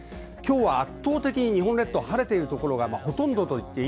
圧倒的に日本列島、晴れているところがほとんどです。